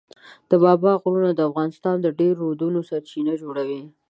د بابا غرونه د افغانستان د ډېرو رودونو سرچینه جوړوي.